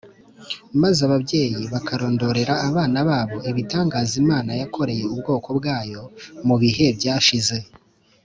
, maze ababyeyi bakarondorera abana babo ibitangaza Imana yakoreye ubwoko bwayo mu bihe byashize